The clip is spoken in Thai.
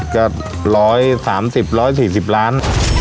ก็ร้อยสามสิบร้อยสี่สิบล้าน